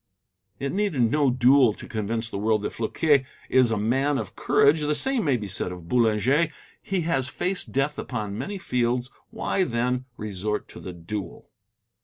It needed no duel to convince the world that Floquet is a man of courage. The same may be said of Boulanger. He has faced death upon many fields. Why, then, resort to the duel?